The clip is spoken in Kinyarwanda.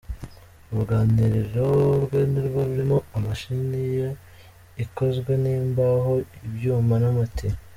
Uruganiriro rwe nirwo rurimo imashini ye ikozwe n’imbaho, ibyuma n’amatiyo.